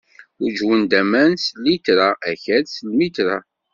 Uǧǧwen aman s llitra, akal s lmitra.